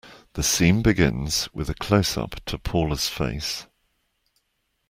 The scene begins with a closeup to Paula's face.